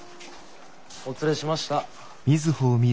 お連れしました。